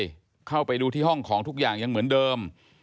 ใช่เข้าไปดูที่ห้องของทุกอย่างยังเหมือนเดิม